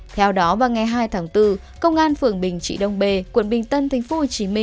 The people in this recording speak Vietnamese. theo đó vào ngày hai tháng bốn công an phường bình trị đông b quận bình tân tp hcm